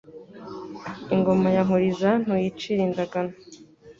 Ingoma ya Nkuriza Ntuyicira indagano.